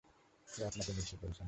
কেউ আপনাকে মিথ্যুক বলছে না!